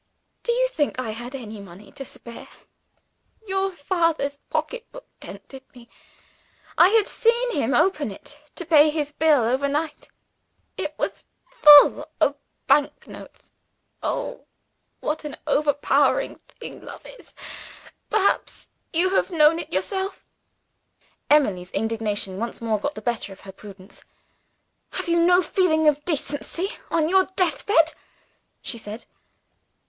"Do you think I had any money to spare? Your father's pocketbook tempted me. I had seen him open it, to pay his bill over night. It was full of bank notes. Oh, what an overpowering thing love is! Perhaps you have known it yourself." Emily's indignation once more got the better of her prudence. "Have you no feeling of decency on your death bed!" she said.